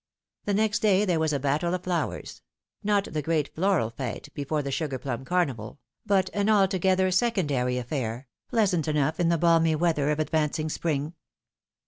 The next day there was a battle of flowers ; not the great floral fte before the sugar plum carnival, but an altogether secondary affair, pleasant enough in the balmy weather of advancing spring.